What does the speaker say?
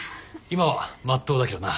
今はまっとうだけどな。